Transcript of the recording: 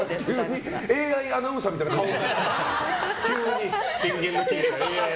急にＡＩアナウンサーみたいな顔して。